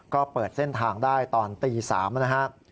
ก็เปิดเส้นทางได้ตอนตี๓นะครับ